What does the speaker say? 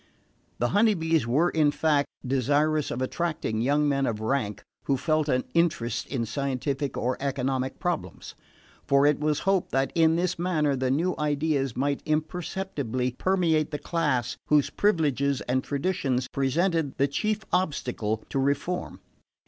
The Honey Bees were in fact desirous of attracting young men of rank who felt an interest in scientific or economic problems; for it was hoped that in this manner the new ideas might imperceptibly permeate the class whose privileges and traditions presented the chief obstacle to reform.